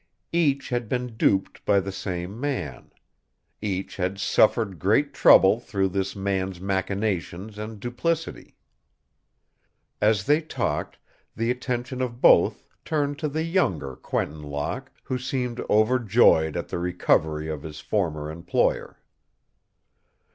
Each had been duped by the same man. Each had suffered great trouble through this man's machinations and duplicity. As they talked, the attention of both turned to the younger Quentin Locke, who seemed overjoyed at the recovery of his former employer.